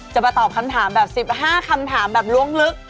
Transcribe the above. จะมาตอบคำถามแบบ๑๕คำถามแบบล้วงลึก